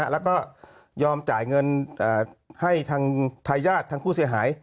แล้วก็ยอมจ่ายเงินให้ทางทายาททางผู้เสียหาย